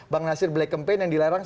bang nasir black campaign yang dilarang